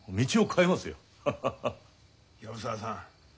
藪沢さん